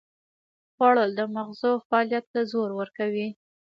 خوړل د مغزو فعالیت ته زور ورکوي